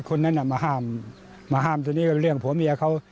ก็คนนั้นน่ะมาห้ามมาห้ามทีนี้ก็เรื่องของผัวเมียเขา